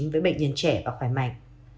với bệnh nhân trẻ và khỏe mạnh